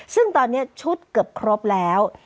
ซึ่งตอนนี้ชุดเกือบครบแล้ว